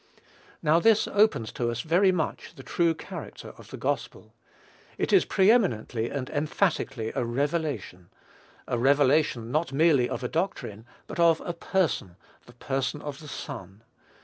Now this opens to us very much the true character of the gospel. It is pre eminently and emphatically a revelation, a revelation not merely of a doctrine, but of a Person, the Person of the Son.